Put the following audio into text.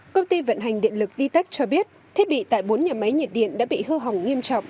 công ty vận hành điện lực dtech cho biết thiết bị tại bốn nhà máy nhiệt điện đã bị hư hỏng nghiêm trọng